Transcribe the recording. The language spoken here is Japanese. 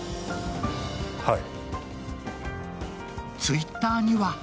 はい。